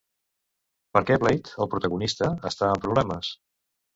Per què Blade, el protagonista, està en problemes?